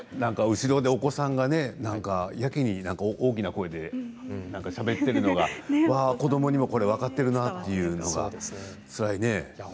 後ろでお子さんがやけに大きな声でしゃべっているのが、これは子どもにも分かっているなというのが、つらいね。